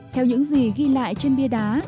theo những gì ghi lại trên bia đá